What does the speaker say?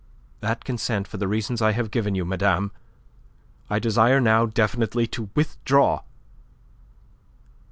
That consent, for the reasons I have given you, madame, I desire now definitely to withdraw."